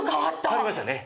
変わりましたね。